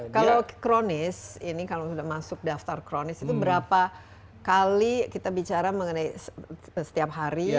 kalau kronis ini kalau sudah masuk daftar kronis itu berapa kali kita bicara mengenai setiap hari